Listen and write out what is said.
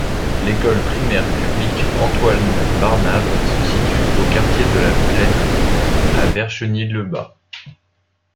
L'école primaire publique Antoine Barnave se situe au quartier de La Plaine à Vercheny-Le-Bas.